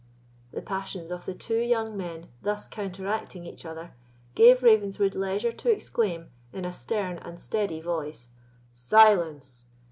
The passions of the two young men thus counteracting each other gave Ravenswood leisure to exclaim, in a stern and steady voice: "Silence!